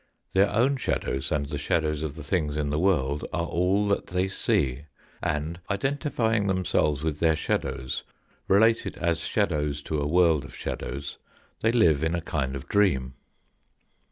Their own shadows and the shadows of the things in the world are all that they see, and identifying themselves with their shadows related as shadows to a world of shadows, they live in a kind of dream.